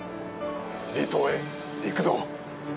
離島へ行くぞ。